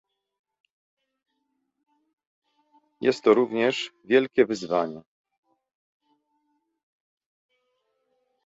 Jest to również wielkie wyzwanie